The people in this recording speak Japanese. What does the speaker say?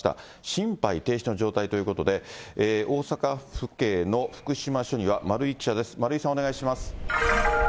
心肺停止の状態ということで、大阪府警の福島署には丸井記者です。